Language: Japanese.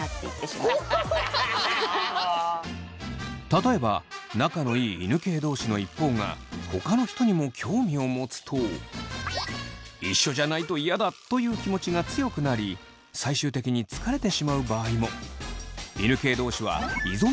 例えば仲のいい犬系同士の一方がほかの人にも興味を持つと一緒じゃないとイヤだという気持ちが強くなり最終的に疲れてしまう場合も。